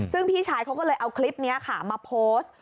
ซึ่งพี่ชายเขาก็เลยเอาคลิปนี้ค่ะมาโพสต์